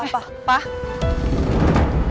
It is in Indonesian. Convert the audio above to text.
rina spesial aku